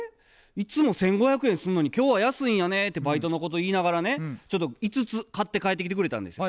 いつも１，５００円すんのに今日は安いんやね」ってバイトの子と言いながらね５つ買って帰ってきてくれたんですよ。